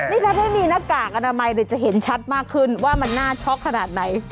นี่ถ้าไม่มีหน้ากากอนามัยจะเห็นชัดมากขึ้นว่ามันน่าช็อกขนาดไหน